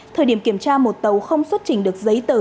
thời điểm kiểm tra một tàu không xuất trình được giấy tờ